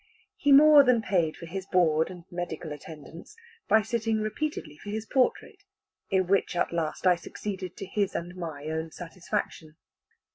He more than paid for his board and medical attendance, by sitting repeatedly for his portrait; in which at last I succeeded to his and my own satisfaction.